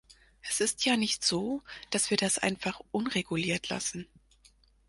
Es ist ja nicht so, dass wir das einfach unreguliert lassen.